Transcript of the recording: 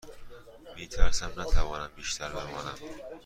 می ترسم نتوانم بیشتر بمانم.